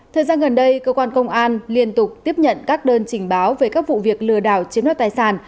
thời gian gần đây cơ quan công an liên tục tiếp nhận các đơn trình báo về các vụ việc lừa đảo chiếm đoạt tài sản